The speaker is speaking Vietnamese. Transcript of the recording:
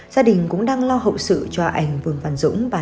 gia đình cũng đang lo hậu sự cho anh vương văn dũng